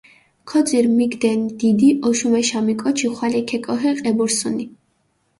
ქოძირჷ მიგდენი დიდი ოშუმეშამი კოჩი ხვალე ქეკოხე ყებურსჷნი.